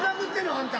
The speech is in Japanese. あんた。